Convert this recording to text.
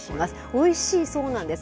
おいしいそうなんです。